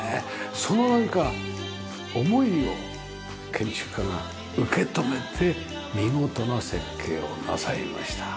そのなんか思いを建築家が受け止めて見事な設計をなさいました。